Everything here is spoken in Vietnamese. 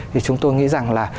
thì chúng tôi nghĩ rằng là